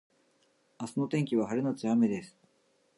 明日の天気は晴れのち雨です